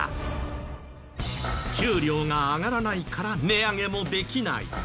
給料が上がらないから値上げもできない。